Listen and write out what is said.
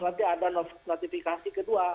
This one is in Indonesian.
nanti ada notifikasi kedua